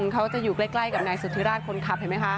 เขาจะอยู่ใกล้กับนายสุธิราชคนขับเห็นไหมคะ